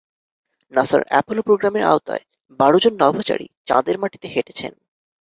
নাসার অ্যাপোলো প্রোগ্রামের আওতায় বারোজন নভোচারী চাঁদের মাটিতে হেঁটেছেন।